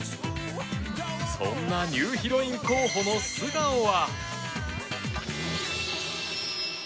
そんなニューヒロイン候補の素顔は。